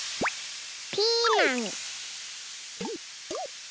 ピーマン。